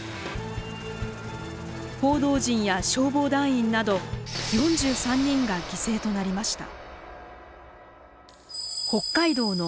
報道陣や消防団員など４３人が犠牲となりました。